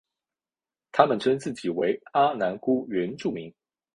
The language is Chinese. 他们称自己为阿男姑原住民。